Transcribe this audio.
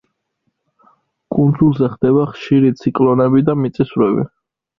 კუნძულზე ხდება ხშირი ციკლონები და მიწისძვრები.